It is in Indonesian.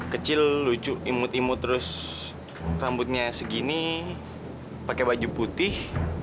kecil lucu imut imut terus rambutnya segini pakai baju putih